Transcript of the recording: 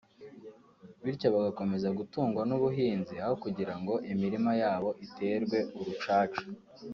bityo bagakomeza gutungwa n’ubuhinzi aho kugira ngo imirima yabo iterwe urucaca